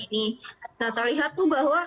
nah terlihat tuh bahwa